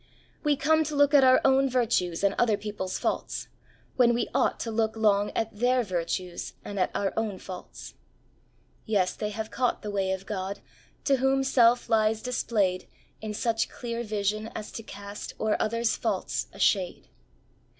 We come to look at our own virtues and other people's faults, when we ought to look long at their virtues and at our own faults. " Yes, they have caught the way of God, To whom self lies displayed In such clear vision as to cast O'er other's faults a shade."